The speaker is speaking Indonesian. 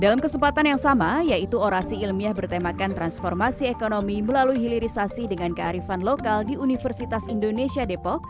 dalam kesempatan yang sama yaitu orasi ilmiah bertemakan transformasi ekonomi melalui hilirisasi dengan kearifan lokal di universitas indonesia depok